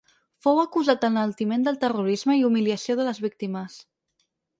Fou acusat d’enaltiment del terrorisme i humiliació de les víctimes.